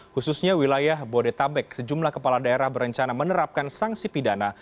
khususnya wilayah bodetabek sejumlah kepala daerah berencana menerapkan sanksi pidana